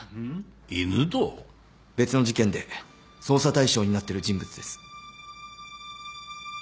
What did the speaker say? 別の事件で捜査対象になってる人物です。